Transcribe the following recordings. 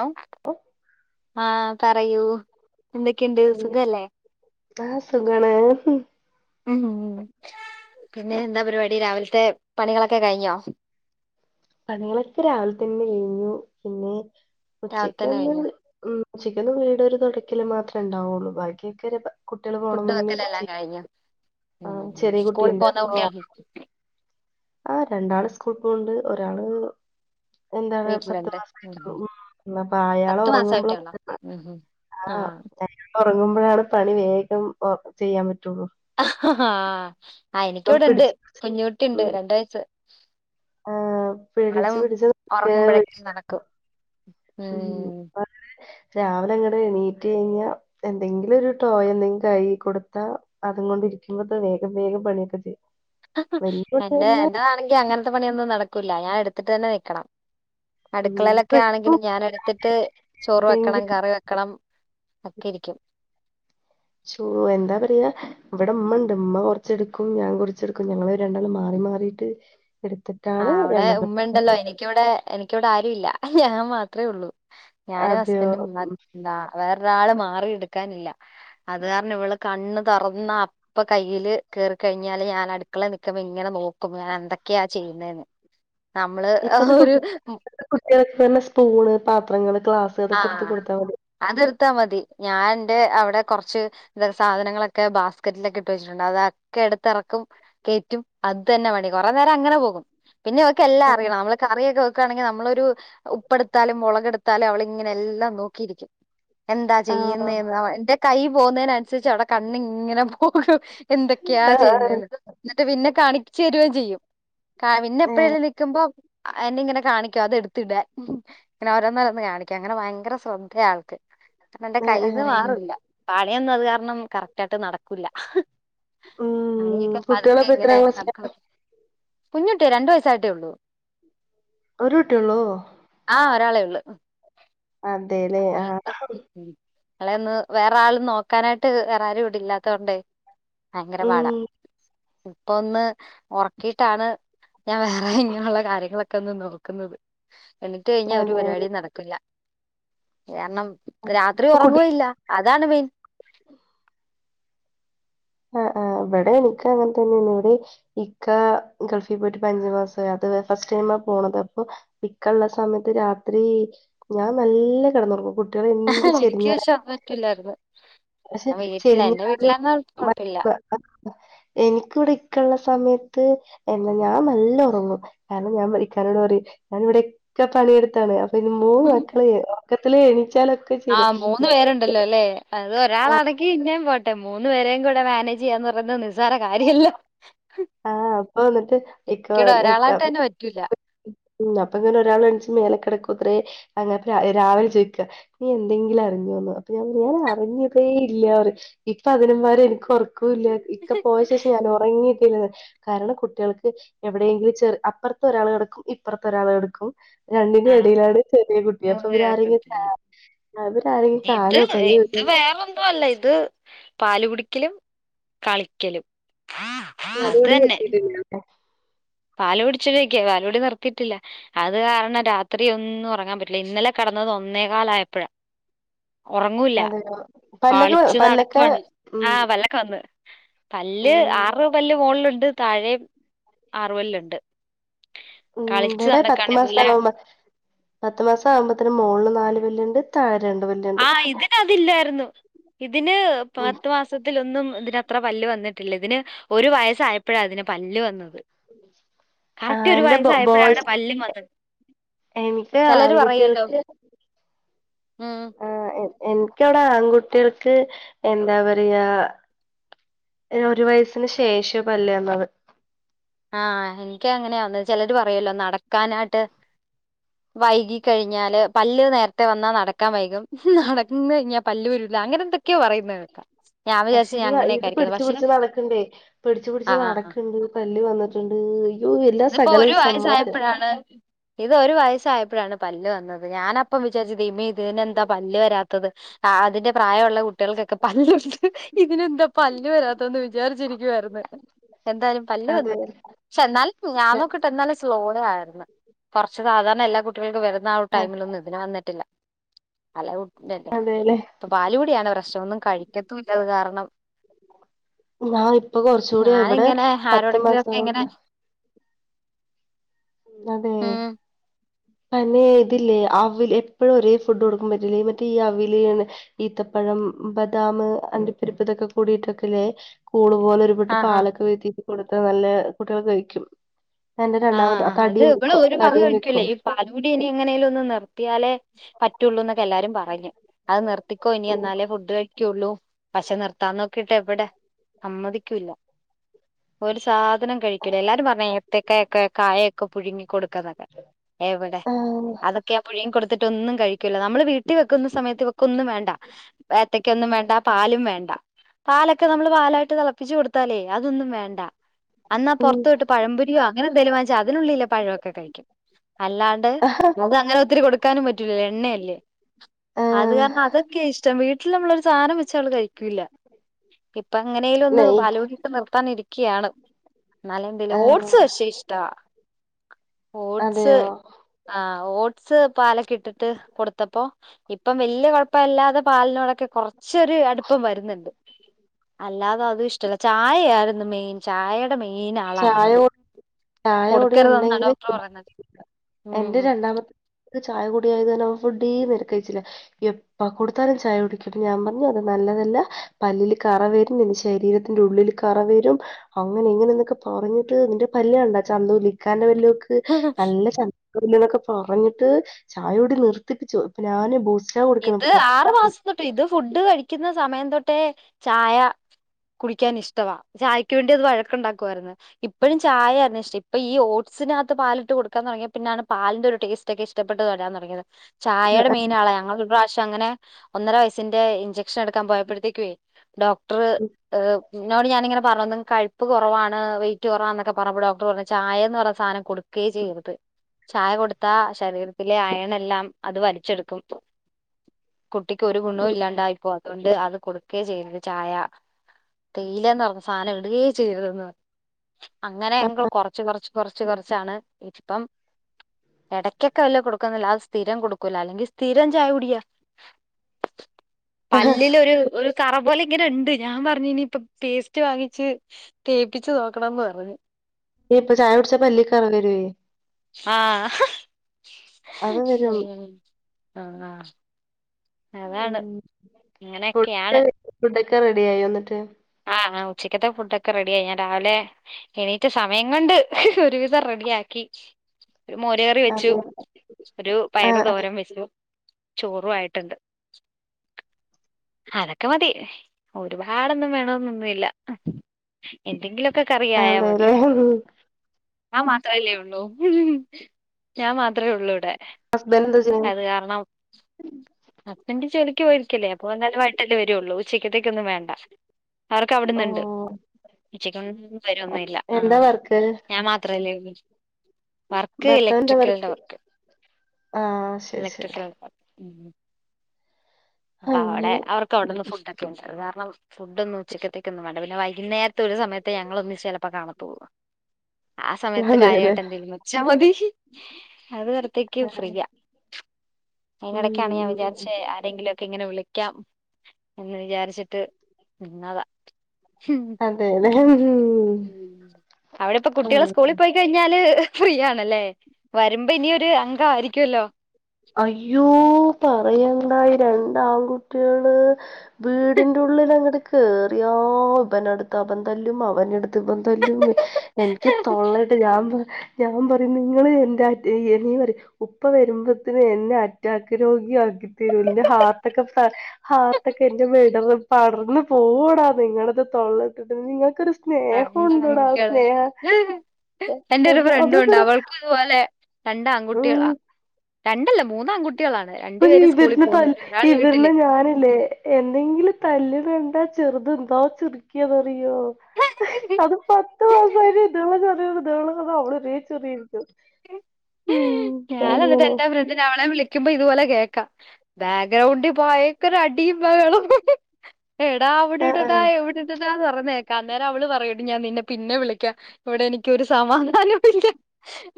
ഹ ആഹ പറയൂ എന്തൊക്കെയുണ്ട് സുഖല്ലേ ആഹ സുഖം ആണ് ഉം പിന്നെ എന്താ പരിപാടി രാവിലത്തെ പണികളൊക്കെ കഴിഞ്ഞോ പണികളൊക്കെ രാവിലെ തന്നെ കഴിഞ്ഞു പിന്നെ രാവിലെ ഉച്ചക്ക് തന്നെ ഒന്ന് കഴിഞ്ഞോ ഉണ്ട് ശെരിക്കും ഒരു തുടക്കൽ മാത്രേ ഉണ്ടാവുള്ളൂ ബാക്കിയ ഒക്ക കുട്ടികള് പോണം ഫുഡ് മുന്നേ വെക്കലെല്ലാം [unintelligible] കഴിഞ്ഞോ ആ ഉം ചെറിയ സ്കൂളിൽ കുട്ടിയുണ്ട് പോകുന്ന അപ്പൊ കുട്ടികൾ ആ രണ്ടാള് സ്കൂൾ പോകണ്ട് ഒരാള് എന്താണ് പത്തു വീട്ടിലുണ്ട് ഉം മാസമായിട്ട് ഒള്ളൂ അയാള് ഉറങ്ങുമ്പോൾ. ആഹ ഉറങ്ങുമ്പോഴാണ് പണി വേഗം ചെയ്യാൻ പറ്റുള്ളൂ ആഹ ആ ഇപ്പം എനിക്കിവിടെ ഉണ്ട് പിടിച്ച് കുഞ്ഞു കുട്ടിണ്ട് ഉം രണ്ട് വയസ് ആ അവൾ പിടിച്ച് പിടിച്ച് നിക്കാ ഉറങ്ങുമ്പോഴക്കേ നടക്കും ഉം രാവിലെ അങ്ങടെ എണീറ്റ് രാവിലെ എണിറ്റു കഴിഞ്ഞാ എന്തെങ്കിലും ഒരു ടോയ് എന്തെങ്കിലും കൈ കൊടുത്താ അത് കൊണ്ട് [unintelligible] എനിക്കുമ്പോയേക്കും വേഗം വേഗം പണി ഒക്കെ തീർക്കും ഹഹഹ എന്റെആണെങ്കിൽ അങ്ങനത്തെ പണിയൊന്നും നടക്കൂില്ല ഞാൻ എടുത്തിട്ട് തന്നെ നൽക്കണം അടുക്കളയിലൊക്കെ ആണെങ്കിലും ഞാൻ എടുത്തിട്ട് ചോറ് വെക്കണം എന്തെങ്കിലും കറി വെക്കണം ഒക്കെ ഇരിക്കും ശോ എന്താ പറയാ ഇവിടെ ഉമ്മഉണ്ട് ഉമ്മ കൊറച്ചെടുക്കും ഞാൻ കുറച്ച്ടുക്കും ഞങ്ങൾ രണ്ടാൾ മാറി മാറി എടുക്കും മാറിട്ട് ആഹ അവിടെ ഉമ്മ ഉണ്ടല്ലോ എനിക്കിവിടെ എ ആരുല്ല ഞാൻ മാത്രേ ഉള്ളൂ ഞാനും അതെയോ ഹസ്ബൻറും ഉം വേറൊരാ മാറി എടുക്കാൻ ഇല്ല അത് കാരണം ഇവള് കണ്ണുതുറന്നാൽ അപ്പൊ കയ്യിൽ കേറി കഴിഞ്ഞാല് ഞാൻ അടുക്കളെ നിക്കുമ്പോ ഇങ്ങനെ നോക്കും ഞാൻ എന്തൊക്കെയാ ചെയ്യുന്നതന്ന് നമ്മള് ആ ഇപ്പത്തെ ഒരു കുട്ടി ഇപ്പത്തെ സ്പൂണ് പാത്രങ്ങൾ ഗ്ലാസ് അതൊക്കെ എടുത്ത കൊടുത്താൽ മതി കൊടുത്താ മതി ഞാൻ എന്റെ അവിടെ കുറച്ച് ഇതൊക്കെ സാധനങ്ങളൊക്കെ ബാസ്ക്കറ്റിലൊക്കെ ഇട്ട് വെച്ചിട്ടുണ്ട് അതൊക്കെ എടുത്തിറക്കും കയറ്റും അത് തന്നെ പണി കൊറെ നേരം അങ്ങനെ പോകും പിന്നെ വെക്കെ എല്ലാം അറിയണം നമ്മള് കറിയൊക്കെ വെക്കുകയാണെങ്കിൽ നമ്മള ഒരു ഉപ്പ എടുത്താലും മുളകെടുത്താലും അവ എല്ലാം നോക്കിയിരിക്കും എന്താ ആഹ് ചെയ്യുന്നന്ന് എന്റെ കൈ പോകുന്നതിനന്നുസരിച്ച് അവിടെ കണ്ണിങ്ങനെ പോകും എന്തൊക്കെയാ ചെയ്യുന്നത് ആഹ് എന്നിട്ട് പിന്നെ കാണിച്ച് തരുകയും ചെയ്യും പിന്നെ ഏഹ് എപ്പഴെല്ലാം നിക്കക്കുമ്പോ എന്നെ ഇങ്ങനെ കാണിക്കോ അത് എടുത്തിടാ ഇങ്ങനെ ഓരോന്നല്ല ഒന്ന് കാണിക്കും അങ്ങനെ ഭയങ്കര ശ്രന്തയാൾക്ക് കാരണം എന്റെ ഏഹ് കയ്യിൽന്ന് ഏഹ് മാറില്ല അത് കാരണം കറക്റ്റ് ആയിട്ട് നടക്കൂല്ല ഉം അയിന്പതുക്കെ കുട്ടികളപ്പോ എങ്ങനെ എത്രാം ക്ലാസ്സിലാ നടക്ക കുഞ്ഞുകുട്ടിയാ രണ്ട് വയസായിട്ടേ ഉള്ളൂ ഒരു കുട്ടിയള്ളൂ ആ ഒരാളെ ഉള്ളൂ അതെല്ലേ ആ അളെന്ന് വേറെ ആൾ നോക്കാനായിട്ട് വേറെ ആരും ഇവിടില്ലാത്തൊണ്ടേ ഭയങ്കര പാടാ ഉം. ഇപ്പ ഒന്ന് ഉറക്കിട്ടാണ് ഞാൻ വേറെ ഇങ്ങനെയുള്ള കാര്യങ്ങളൊക്കെ ഒന്ന് നോക്കുന്നത് എണിറ്റു കഴിഞ്ഞൽ ഒരു പരിപാടി അതേല്ലേ. നടക്കില്ല കാരണം രാത്രി അപ്പൊ കുട്ടി ഉറങ്ങുവയില്ല അതാണ് മൈ ൻ ആഹ് ആ ഇവിടെ എനിക്ക് അങ്ങനെ ഇക്ക ഗൾഫിൽ പോയിട്ട് അഞ്ച് മാസായി അത് ഫസ്റ്റ് ടൈ മാ പോണത് അപ്പോ ഇക്കള്ള സമയത്ത് രാത്രി ഞാൻ നല്ല കെടന്നൊറങ്ങും കു കുട്ടികൾ എന്ത് എനിക്ക് ചെരിഞ്ഞ പക്ഷെ അത് പറ്റൂലായിരുന്നു പക്ഷെ ഞാൻ വീട്ടിലാ എന്റെ ശരിഞ്ഞാലും വീട്ടിലായിരുന്ന മ കുഴപ്പമില്ല എനിക്കിവിടെ ഇക്കുള്ള സമയത്ത് എാ ഞാൻ നല്ല ഉറങ്ങും കാരണം ഞാൻ ഇക്കാനോട് പറയും. ഞൻ ഇവിടെൊക്കെ പണിയെടുത്താണ് അപ്പൊ ഇന്ന് മൂന്ന് ഉം മക്കളക്കളെ മൊ ആഹ് മൂന്ന് പേരുണ്ടല്ലോ അല്ലേ അത് ഒരാൾ ആണെങ്കി പിന്നേ മറ്റെ മൂന്നു പേരും കൂടെ മാനേജ് ചെയ്യാന്ന് പറഞ്ഞ നിസാര കാര്യല്ല. ആഹ് അപ്പൊ എന്നിട്ട് എനിക്കിടെ ഒരാളായിട്ടെന്നെ പറ്റൂല. ഉ അപ്പൊ ഇങ്ങനെ ഒരാൾ എണച്ച് മേല കിടക്കൂ ഇത്രേ അ രാവിലെ ചോദിക്കുക നീ എന്തെങ്കിലും അറി അപ്പൊ ഞാൻ പറൻ അറിഞ്ഞതേ ഇല്ലപറയും ഇപ്പൊ അതിനന്മാരെ എനി [unintelligible] ഇക്കെ പോയ ശേഷം ഞാൻ ഉറങ്ങി കാരണം കുട്ടികൾക്ക് എവിടെയെങ്കിലും ചെറ അപ്പുറത്ത ഒരാൾക്കി ഇപ്പറത്തെ ഒരാൾ കെ ടക്കും രണ്ടിന്റെ ആഹ് ഇടയിലാണ് ചെറിയ കുട്ടി അപ്പൊ മൂന്ന് ഇവര് പേരുണ്ട് ആരെങ്കിലും അവര് ആരെങ്കിലും കാലോ കയ വെക്കും. അത് പാല് കുടിക്കലും കളിക്കലും. [unintelligible] [unintelligible] പാലോടി നിർത്തിട്ടില്ല അത് കാരണം രാത്രി ഒന്നും ഉറങ്ങാൻ പറ്റില്ല ഇന്നലെ കട [unintelligible] ഒന്നേ കാലയപ്പഴ. ഉറങ്ങൂല്ല അതെയോ പല്ലൊക്കെ കളിച്ചു പല്ലൊക്കെ നടടക്ക ഉം ആഹ് പല്ലൊക്കെവന്ന്. പല്ല് ഉം ആറ് പല്ല് മുകളിലുണ്ട് താഴെ ആറ പല്ലുണ്ട്. കളിച്ച് ഇടെ പത്തു മാസം നടക്കാണെങ്കില് ആകുമ്പ പത്തു മാസ ആകുമ്പോത്തന് മോളില് നാല് പല്ല്. ആഹ് ഇതിനതില്ലായിരുന്നു ഇതിന് ഉം പത്ത് മാസത്തിലൊന്നും അത്ര പല്ല് വന്നിട്ടില്ല ഇതിന് ഒരു വയസായപ്പഴാ അതിന് പല്ല് വന്നത്. കററ്റ് ആഹ് ഒരു എന്റെ ബോ വയസ്സായപ്പോഴ അവിടെ ബോയ്സ് പല്ലും വന്നത്. എനിക്ക് ആൺകുട്ടികൾക്ക്. മ് ആഹ് എനിക്കവിടെ ആൺകുട്ടികൾക്ക് എന്താ പറയാ ഒരു വയസിന് ശേഷം പല്വന്നത്. ആഹ എനിക്ക് അങ്ങനെയന്ന് ചിലര് പറയല്ലോ നടക്കാനായിട്ട്. വൈകികഴിഞ്ഞാല് പല്ല് നേരത്തെ വന്നാൽ നടക്കാൻ വൈകും നടക്കന്ന് കഴിഞ്ഞാൽ പല്ല് ല്ല അങ്ങനെ ന്തൊക്കെയോ പറയുന്നത് കേക്കാ. പക്ഷെ ഇത് ഇത് പിടിച്ചച്ച് പിടിച്ച്ു നടക്ണ്ടെയ് പിടിച്ചു പിടിച്ച് ആഹ് നടക്കണ്ട് പല്ല് വന്ന [unintelligible] ഇതിപ്പോ ഒരു വയസ്സായപ്പോഴാണ്. ഇത് ഒരു വയസ്സയപ്പോഴാണ് പല്ല് വന്നത് ഞാനപ്പം വിചാരിച്ചു ദൈവമേ ഇതിനെന്താ പല്ല് വരാത്തത്. ആ അതിന്റെ പ്രായം. ള്ള കുട്ടികൾക്കൊക്കെ പല്ലല്ുണ്ട് ഇതിനെന്താ പല്ലല് വരാത്തന്ന് വിചാരിച്ചിരിക്കുവായിന്ന്. എന്തായാലും പല്ല് വന്നു അതെ പക്ഷെ എന്നാൽ ഞാൻ നോക്കിട്ട് എന്നാലും സ്ലോല ആയിന്ന് കുറച്ച് സാധാരണ എല്ലാ കുട്ടികൾക്കും വര ടൈമിലൊന്നും ഇതിന്വന്നിട്ടില്ല അല്ല ഇല്ലല്ലേ അതെല്ലെ ഇപ്പൊ പാലു കുടിയാണ് പ്രശനം ഒന്നും കഴിക്കത്തുല്ലത് കാരണം. ഞാൻ ഇപ്പൊ കൊറച്ചുകൂടി ഇവിടെ ഞാനിങ്ങനെ പത്ത് മാസം ആരോടെങ്കിലൊക്കെ ഇങ്ങനെ ആവുമ്പോ അതെ ഉം അന്നെ ഇതില്ലേ അവൽ എപ്പോഴും ഒരേ ഫുഡ് കൊടുക്കാൻ പറ്റില്ലേ മറ്റേ ഈ അവൽ ഈത്തപ്പ ഴം ബദാമ് അണ്ടിപ്പരിപ്പ് ഇതൊക്കെ കൂടി ഇട്ടിട്ടില്ലേ [unintelligible] പോലെ ഒരു [unintelligible] ആഹ് പാലൊക്കെ [unintelligible] കൊടുത്താ നല്ല കുട്ടികൾ കഴിക്കും എന്റെ രണ്ടാമത്തെ ആഹ് അത് ഇവള് ഒരു വക കഴിക്കൂല്ലേ ഈ പാല്കൂടി ഇനി എങ്ങനേലും ഒന്ന് നിർത്തിയാലേ പറ്റുള്ളൂന്നൊക്കെ പ്പെല്ലാരും പറഞ്ഞു അത് നിറ് നിർത്തിക്കോ ഇനി എന്നാലേ ഫുഡ് കഴിക്കുള്ളൂ പക്ഷെ നിർത്താൻ നോക്കിട്ടേവിടെ സമ്മതിക്കൂല്ല. ഒരു സാധനം കഴിക്കുല്ല എല്ലാരും പറഞ്ഞു ഏത്തക്കാ ക്കെ ക്കെ കായൊക്കെ പുഴുങ്ങി കൊടുക്കാന്നത്ര എവിടെ? ആഹ് അതൊക്കെ ആ പുഴുങ്ങി കൊടുത്തിട്ട് ത്തെ ഒന്നും കഴിക്കില്ല നമ്മള് വീട്ടിവെക്കുന്ന സമയത്ത് ഇവക്കൊന്നും വേണ്ട. ഏത്തയ്ക്കയൊന്നും വേണ്ട. പാലും വേണ്ട. പാലൊക്കെ നമ്മള് പാലായിട്ട് തെളപ്പിച്ച് കൊടുത്താലേ അതൊന്നും വേണ്ട. എന്നാ ഉം പൊറത്ത് പോയിട്ട് പഴംപൊരിയോ അങ്ങനെ എന്തേലും വാങ്ങിച്ചാ അതിനുള്ളിലെ പഴൊക്കെ കഴിക്കും. അല്ലാണ്ട് മ്മക്ക് അങ്ങനെ ഒത്തിരി കൊടുക്കാനും പറ്റൂലല്ലൊ എണ്ണയല്ലേ. അത് കാരണം ആഹ് അതൊക്കെയാ ഇഷ്ടം വീട്ടിൽ നമ്മളൊരു സാധനം വെച്ചാല് അവള് കഴിക്കൂലാ. ഇപ്പൊ എങ്ങനേലും ഒന്ന് നെയ് പാലുകുടി ഇപ്പൊ നിർത്താനിരി ക്കയാണ്. എന്നാലും എന്തേലും ആഹ് ഓട്സ് പക്ഷേ ഇഷ്ടവാ ഓട്സ് അതെയോ ആ ഓട്സ് പാലൊക്കെ ഇട്ടിട്ട് കൊടുത്തപ്പോ ഇപ്പം വലിയ കൊഴപ്പമില്ലാതെ പാലിനോടൊക്കെ കൊറ്ച്ച് കൊറച്ചൊരു അടുപ്പം വരുന്നുണ്ട്. അല്ലാതെ അതും ഇഷ്ടല്ല. ചായയായിരുന്നു മെയിൻ. ചായയുടെ മെയിൻ ആളായിരുന്നു ചായ അത്. കൂടി- ചായ കുടി കൊടുക്കരുതെന്നാണ് ഡോക്ടർ ഉണ്ടെങ്കില് പറയുന്നേ എന്റെ രണ്ടാമത്തെ ചായ കുടിയായത് കാരണം ഫുഡേ ഇതുവരെ കഴിച്ചില്ല. എപ്പ കൊടുത്താലും ചായ കുടിക്കും ഞാൻ പറഞ്ഞു അത് നല്ലല്ല നല്ലതല്ല പല്ലിൽ കറ വരും. നിന്റെ ശരീരത്തിന്റെ ഉള്ളില് കറ വരും. അങ്ങനെ എങ്ങനെനൊക്കെപറ പറഞ്ഞിട്ട് നിന്റെ പല്ല് കണ്ടാ ചന്തുല്ല ഇക്കാന്റെ പല്ലൊക്ക് നിനക്ക് നല്ല ചന്തൊക്കെണ്ട്ന്ന് പറഞ്ഞിട്ട് ചായോടി നിർത്തിപ്പിച്ചു. ഇപ്പ ഞാന് ബൂസ്റ്റ്‌ ഇത് ആറു മാസം തൊട്ട് ഇത് ഫുഡ് കഴിക്കുന്ന സമയം തൊട്ടേ ചായ കുടിക്കാൻ ഇഷ്ടവാ. ചായക്ക് വേണ്ടി അത് വഴക്കുണ്ടാക്കുായിരുന്നു. ഇപ്പഴും ചായ ആരുന്നു ഇഷ്ടം. ഇപ്പൊ ഈ ഓട്സ് ഓട്സിനാത്ത് പാലിട്ട് കൊടുക്കാൻ തൊടങ്ങിയേ പിന്നാണ് പാലിന്റെ ഒരു ടേസ്റ്റ് ഒക്കെ ഇഷ്ടപെട്ട് വരാൻ തൊടങ്ങിയത് ചായയുടെ മെയിനാളാ ഞങ്ങള് അങ്ങനെ ഒന്നര വയസ്സിന്റെ ഇൻജെക്ഷൻ എടുക്കാൻ പോയപ്പഴ്ത്തേക്കുവേ ഡോക് ക്ടർ ഡോക്ടർ നോട് ഞാനിങ്ങനെ പറ പറഞ്ഞന്ന കഴ്പ്പ് കുറവാണ് വെയിറ്റ് കുറവാന്നൊക്കെപറഞ്ഞ്പ്പോ ഡോക്ടർ പറഞ്ഞ് ചായേന്ന് പറഞ്ഞ സാനം കൊടുക്ക്യേ ചെയ്യരുത് ചായ കൊടുത്താ ശരീരത്തിലെ അയണെല്ലാം അത് വലിച്ചെടുക്കും കുട്ടിക്ക് ഒരു ഗുണവും ഇല്ലാണ്ടായിപ്പോകും അതുകൊണ്ട് അത് കൊടുക്കേ ചെയ്യരുത് ചായ തേയിലാന്ന് പറഞ്ഞ സാധനം ഇടുകയേ ചെയ്രുതെന്ന് പറ്ഞ്ഞ് അങ്ങനെ ഞങ്ങള് കൊറച്ച് കൊറച്ച് കൊറച്ച് കൊറച്ചാണ് ഇപ്പം എടയ്ക്കൊക്കെ വെല്ല കൊടുക്കുന്നില്ല അത് സ്ഥിരം കൊടുക്കൂല അല്ലെങ്കിൽ സ്ഥിരം ചായ കുടിയാ. പല്ലിൽ ഒരു ഒരു കറ പോലെ ഇങ്ങനെണ്ട് ഞാൻ പറഞ്ഞിനി ഇപ്പം പേസ്റ്റ് വാങ്ങിച്ച് തേപ്പിച്ച് നോക്കണംന്ന് പറഞ്ഞ് ഞീപ്പം ചായ കുടിച്ചാ പല്ലി കറ വരുവേ ആ അത് വരും ഉം ആ ആ അതാണ്. ഉം അങ്ങനെയൊക്കെയാണ്. ഒക്കെ റെഡി ആയോന്നട്ട്? ആ ആ ഉച്ചക്കത്തെ ഫുടൊക്കെ റെഡിയായി. ഞാൻ രാവിലെ എണീറ്റ് സമയം കൊണ്ട് ഒരു വിധം റെഡിയാക്കി. ക്ക് ഒരു മോര് കറി വെച്ചു. അതെ ഒരു ആ പയറ് തോരൻ വെച്ചു ചോറും ആയിട്ട്ണ്ട്. അതൊക്കെ മതി. ഒരുപാടൊന്നും വേണ വേണോന്നൊന്നില്ല. എന്തെങ്കിലുമൊക്കെ കറിയായാ മതി. അതെല്ലേ ഞാൻ മാത്രമല്ലേ ഒള്ളൂ. ഞാൻ മാത്രമേ ഒള്ളൂ ഇവിടെ. ഹസ്ബൻഡ് എന്താ ചെയ്യണെ അത് കാരണം അപ്പന്റെ ജോലി ക്ക് പോയിരിക്കല്ലേ അപ്പൊ വന്നാലും വൈകിട്ടല്ലേ വരുവൊള്ളൂ. ഉച്ചയ്ക്കത്തേക്കൊന്നും വേണ്ട. അവർക്ക് അവിടുന്നുണ്ട്. ഓ ഉച്ചക്കൊന്നും വരൊന്നുമില്ല. ആ എന്താ വർക്ക് ഞാൻ മാത്രല്ലേള്ളൂ വർക്ക് ഇലക്ട്രിക്കലിന്റെ വർക്ക്. ആ ശരി ശരി. ഇലക്ട്രിക്കലിൻ്റെ [inaudible] അപ്പൊ അവിടെ അങ്ങനെ അവർക്ക് അവിടെന്ന് ഫുടൊക്കെ ഒണ്ട്. അത് കാരണം ഫുഡ് ഒന്നും ഉച്ചത്തേക്കൊന്നും വേണ്ട പിന്നെ വൈകുന്നേരത്തെ ഒരു സമയത്തേ ഞങ്ങൾ ഒന്നിച്ച് ചിലപ്പോ കാണത്തുള്ളൂ ആ സമയത്ത് അതെല്ലേ കാര്യമായിട്ട് എന്തെങ്കിലും വെച്ചാ മതി അത് വരത്തേക്കും ഫ്രീയാ അയിനിടൊക്കാണ് ഞാൻ ഉം വിചാരിച്ച ആരെങ്കിലും ഒക്കെ ഇങ്ങനെ വിളിക്കാം എന്ന് വിചാരിച്ചിട്ട് നിന്നതാ ഉം. അതെതെ ഉം ഉം. അവിടെ ഇപ്പ കുട്ടികളെ സ്കൂളിൽ പോയിക്കഴിഞ്ഞാല് ഫീ ആണല്ലേ വരുമ്പോ ഇനിയൊരു അംഗമായിരിക്കുമല്ലോ അയ്യോ പറയണ്ടായി രണ്ടാൺകുട്ടികള് വീടിന്റെ ഉള്ളിൽ അങ്ങട് കേറിയോ ഇവനടുത്ത് അവൻ തല്ലും അവനടുത്ത് ഇവൻ തല്ലുന്ന് എനിക്ക് തോള്ളട്ട് ഞാൻ ഞാൻ പറയും നിങ്ങള് എന്ത ഇീ പറ ഉപ്പ വരുമ്പോ എന്നെ അറ്റാക്ക് രോഗിയാക്കി തീരൂന്റെ ഹാർട്ടൊക്കെ ഹാർട്ടൊക്കെ എന്റെ മേട പടർന്നു പോവുടാ നിങ്ങളുടെത് തൊള്ളിട്ടിട്ട് നിങ്ങൾ ക്ക രണ്ട് സ്നേഹമുണ്ടോടാ ആൺകുട്ടികള് സ്നേഹ എന്റെ ഒരു ഫ്രണ്ടും ഉണ്ട് അവൾക്കും ഇതുപോലെ രണ്ട് ഉം ആൺകുട്ടികളാ രണ്ടല്ല മൂന്ന് ആൺകുട്ടികളാണ് ഇപ്പ രണ്ടുപേര് സ്കൂളിൽ ഇവരുന്ന് ത പോകുന്നുണ്ട് ഒരാള് ഇവരുന്ന് ഞാനല്ലേ എന്തെങ്കിലും തല്ലുന്നത് കണ്ടാ ചെറുത് എന്താ ചിറിക്കിയാനറിയോ വീട്ടില് അത് പത്ത് മാസ ദണ ചെറിയ ദണ അവള് ചെറി [unintelligible] യയിരിക്കു ഞാൻ എന്നിട്ട് എന്റെ വ്രതത്തിന് അവളെ വിളിക്ക ക്കുമ്പം ഇതുപോലെ കേക്കാം ബാക്ക്ഗ്രൗണ്ടിൽ ഭയങ്കര അടിയും ബഹളവും എടാ അവിടെ ആഹ് ആഹ് ഇടടാഎവിടെ ഇടടാ പറഞ്ഞേക്കാം അന്നേരം അവള് പറയും ഞാൻ നിന്നെ പിന്നെ വിളിക്കാം ഇവിടെ എനിക്കൊരു സമാധാനവുമില്ല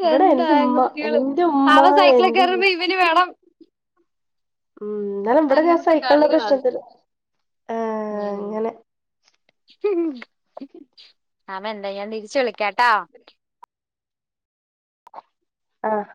ഇവിടെ എന്റെ ആ ഉമ്മ എന്റെ ഉമ്മ നാളെ സൈക്കിളൊക്കെ എന്റെ കേറുമ്പോ ഇവന് വേണം ഉ എന്നാലും ഇവിടെ അങ്ങനത്തെ സഹിക്കുള്ള കളികളാണ് പ്രശ്നത്തില് ആഹ അങ്ങനെ അവ എന്താൻ തിരിച്ചു വിളിക്കാട്ടോ ആഹ്